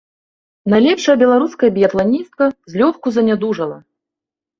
Найлепшая беларуская біятланістка злёгку занядужала.